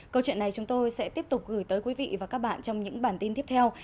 câu chuyện này chúng tôi sẽ tiếp tục gửi tới quý vị và các bạn trong những bản tin tiếp theo